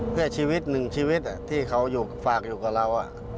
เพื่อชีวิตหนึ่งชีวิตที่เขาฝากอยู่กับเรา